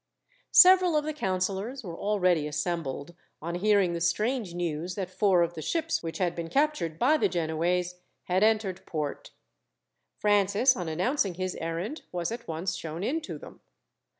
Several of the councillors were already assembled, on hearing the strange news that four of the ships, which had been captured by the Genoese, had entered port. Francis, on announcing his errand, was at once shown in to them.